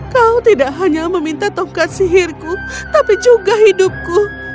kau tidak hanya meminta tongkat sihirku tapi juga hidupku